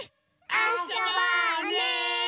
あそぼうね！